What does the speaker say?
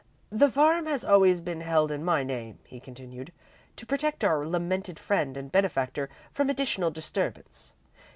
"The farm has always been held in my name," he continued, "to protect our lamented friend and benefactor from additional disturbance.